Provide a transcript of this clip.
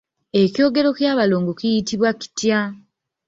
Ekyogero ky'abalongo kiyitibwa kitya?